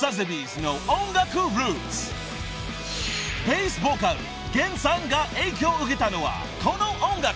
［ベースボーカルＧＥＮさんが影響を受けたのはこの音楽］